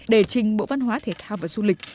để trình bộ văn hóa thể thao và du lịch